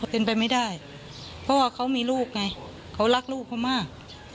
เป็นไปไม่ได้เพราะว่าเขามีลูกไงเขารักลูกเขามาก